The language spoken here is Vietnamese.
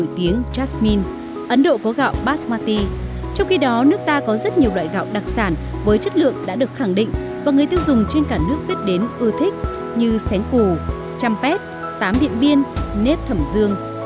trong khi đó nước ta có rất nhiều loại gạo đặc sản với chất lượng đã được khẳng định và người tiêu dùng trên cả nước viết đến ưa thích như sén củ trăm pét tám điện biên nếp thẩm dương